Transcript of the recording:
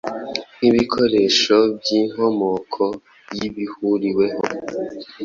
nkibikoresho byinkomoko yibihuriweho